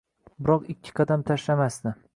Biroq ikki qadam tashlamasdi